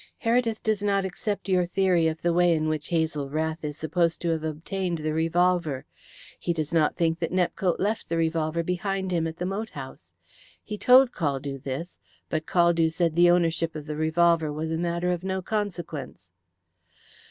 Heredith does not accept your theory of the way in which Hazel Rath is supposed to have obtained the revolver. He does not think that Nepcote left the revolver behind him at the moat house. He told Caldew this, but Caldew said the ownership of the revolver was a matter of no consequence."